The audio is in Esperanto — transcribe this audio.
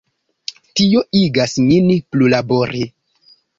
Tio igas min plulabori.